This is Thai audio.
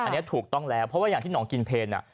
อันนี้ถูกต้องแล้วเพราะว่าอย่างที่หนองกินเพล